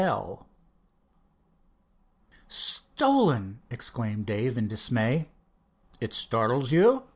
exclaimed Dave, in dismay. "It startles you?"